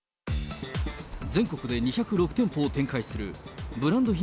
全国で２０６店舗を展開するブランド品